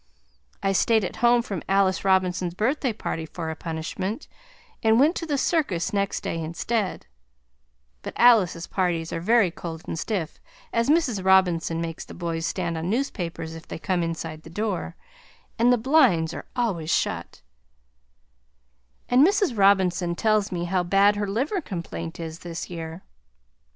I stayed at home from Alice Robinson's birthday party for a punishment, and went to the circus next day instead, but Alice's parties are very cold and stiff, as Mrs. Robinson makes the boys stand on newspapers if they come inside the door, and the blinds are always shut, and Mrs. Robinson tells me how bad her liver complaint is this year.